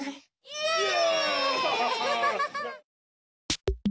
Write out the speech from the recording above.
イエイ！